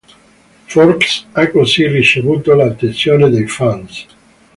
Forks ha così ricevuto l'attenzione dei fans.